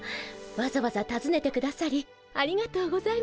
わざわざたずねてくださりありがとうございました。